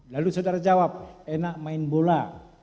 lalu saudara jawab enak main bola